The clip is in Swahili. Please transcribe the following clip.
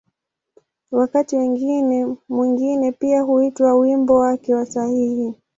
Wakati mwingine pia huitwa ‘’wimbo wake wa sahihi’’.